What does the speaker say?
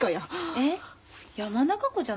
えっ山中湖じゃないの？